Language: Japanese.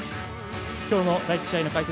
きょうの第１試合の解説